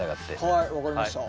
はい分かりました。